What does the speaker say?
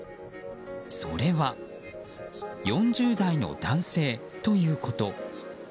それは４０代の男性ということ。